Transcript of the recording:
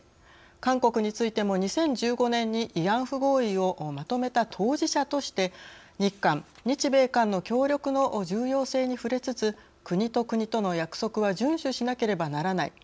韓国についても２０１５年に慰安婦合意をまとめた当事者として日韓、日米韓の協力の重要性に触れつつ「国と国との約束は順守しなければならない。